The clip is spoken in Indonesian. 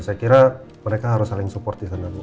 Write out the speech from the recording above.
saya kira mereka harus saling support di sana bu